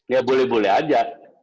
ya boleh boleh aja